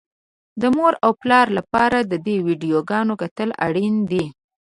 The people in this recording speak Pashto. د مور او پلار لپاره د دې ويډيوګانو کتل اړين دي.